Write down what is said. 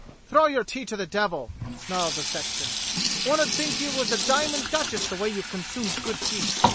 "Throw your tea to the devil," snarled the sexton. "One 'ud think you was a diamond duchess the way you consumes good tea.